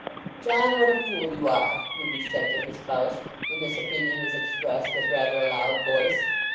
"John, what a fool you are!" Ruby said to her spouse, when this opinion was expressed with rather a loud voice.